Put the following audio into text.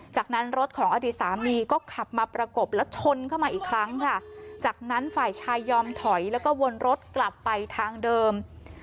จากนั้นรถของอดีตสามีก็ขับมาประกบแล้วชนเข้ามาอีกครั้งค่ะจากนั้นฝ่ายชายยอมถอยแล้วก็วนรถกลับไปทางเดิม